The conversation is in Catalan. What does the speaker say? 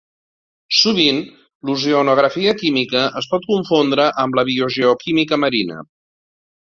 Sovint l'Oceanografia Química es pot confondre amb la Biogeoquímica Marina.